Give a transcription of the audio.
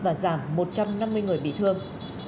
và giảm một trăm năm mươi người bị thương